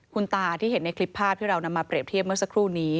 คุณตาที่เห็นในคลิปภาพที่เรานำมาเปรียบเทียบเมื่อสักครู่นี้